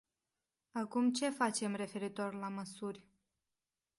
Acum ce facem referitor la măsuri?